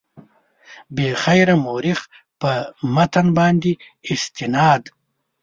بېخبره مورخ په متن باندې استناد.